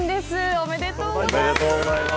おめでとうございます。